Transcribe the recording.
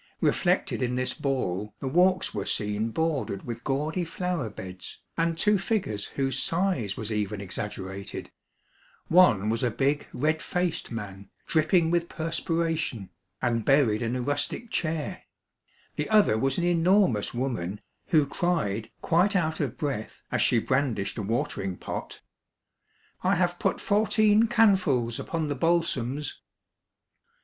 Reflected in this ball the walks were seen bordered with gaudy flower beds, and two figures whose size was even exaggerated ; one was a big, red faced man, dripping with perspiration, and buried in a rustic chair; the other was an enormous woman, who cried, quite out of breath, as she brandished a watering pot, —" I have put fourteen canfuls upon the balsams